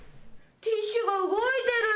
ティッシュが動いてる？